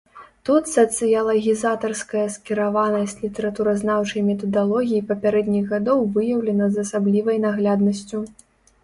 Тут сацыялагізатарская скіраванасць літаратуразнаўчай метадалогіі папярэдніх гадоў выяўлена з асаблівай нагляднасцю.